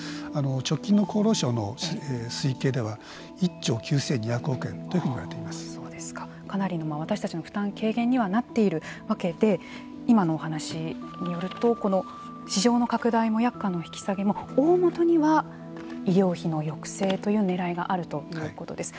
直近の厚労省の推計では１兆９２００億円というふうにかなり私たちの負担軽減にはなっているわけで今のお話しによるとこの市場の拡大も薬価の引き下げも大もとには医療費の抑制という狙いがあるということです。